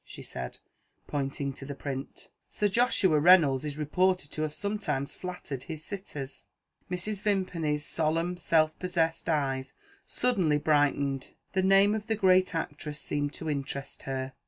she said, pointing to the print. "Sir Joshua Reynolds is reported to have sometimes flattered his sitters." Mrs. Vimpany's solemn self possessed eyes suddenly brightened; the name of the great actress seemed to interest her.